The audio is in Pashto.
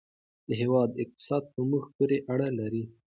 د هېواد اقتصاد په موږ پورې اړه لري.